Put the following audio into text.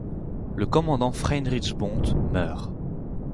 Le commandant Friedrich Bonte meurt.